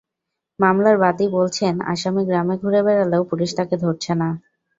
মামলার বাদী বলছেন, আসামি গ্রামে ঘুরে বেড়ালেও পুলিশ তাঁকে ধরছে না।